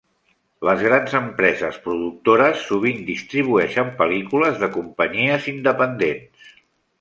Les grans empreses productores sovint distribueixen pel·lícules de companyies independents.